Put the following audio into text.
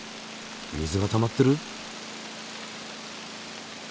水がたまってる？